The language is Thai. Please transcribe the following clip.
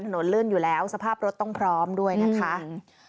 ลื่นอยู่แล้วสภาพรถต้องพร้อมด้วยนะคะอืม